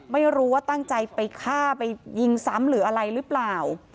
ไม่รู้ว่าตั้งใจไปฆ่าไปยิงซ้ำหรืออะไรหรือเปล่า